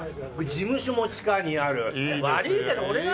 事務所も地下にある。